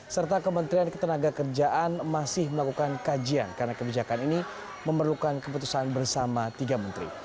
serta kementerian ketenaga kerjaan masih melakukan kajian karena kebijakan ini memerlukan keputusan bersama tiga menteri